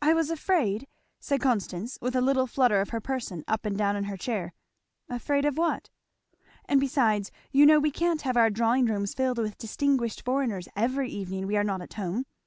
"I was afraid! " said Constance with a little flutter of her person up and down in her chair. "Afraid of what?" "And besides you know we can't have our drawing rooms filled with distinguished foreigners every evening we are not at home.